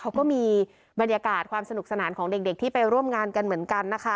เขาก็มีบรรยากาศความสนุกสนานของเด็กที่ไปร่วมงานกันเหมือนกันนะคะ